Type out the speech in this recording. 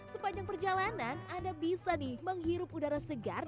sepanjang perjalanan anda bisa nih menghirup udara segar